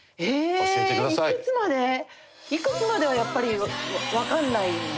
いくつまではやっぱりわからないので。